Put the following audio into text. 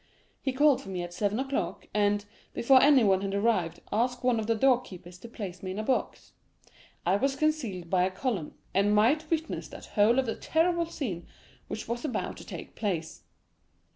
He called for me at seven o'clock, and, before anyone had arrived, asked one of the door keepers to place me in a box. I was concealed by a column, and might witness the whole of the terrible scene which was about to take place.